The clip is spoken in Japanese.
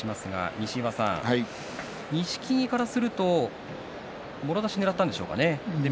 西岩さん、錦木からするともろ差しをねらったんですか？